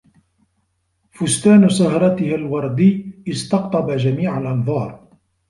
فستان سهرتها الوردي استقطب جميع الأنظار.